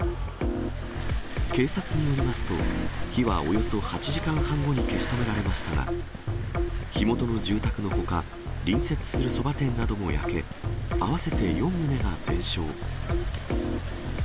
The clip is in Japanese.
警察によりますと、火はおよそ８時間半後に消し止められましたが、火元の住宅のほか、隣接するそば店なども焼け、合わせて４棟が全焼。